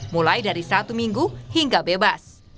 mulai dari satu minggu hingga bebas